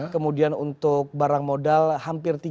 kemudian untuk barang modal hampir tiga